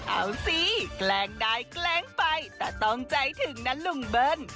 เอาสิแกล้งได้แกล้งไปแต่ต้องใจถึงนะลุงเบิ้ล